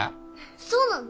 そうなの？